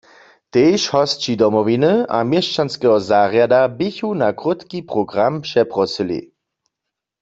Tež hosći Domowiny a měšćanskeho zarjada běchu na krótki program přeprosyli.